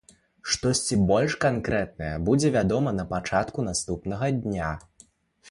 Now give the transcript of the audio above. Штосьці больш канкрэтнае будзе вядома на пачатку наступнага тыдня.